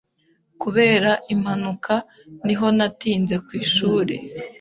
Kubera impanuka niho natinze ku ishuri.